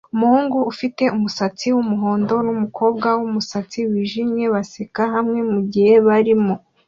Umuhungu ufite umusatsi wumuhondo numukobwa wumusatsi wijimye baseka hamwe mugihe barimo